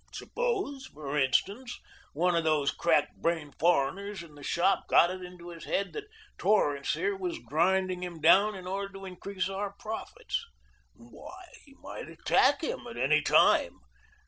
Suppose, for instance, one of these crack brained foreigners in the shop got it into his head that Torrance here was grinding him down in order to increase our profits? Why, he might attack him at any time!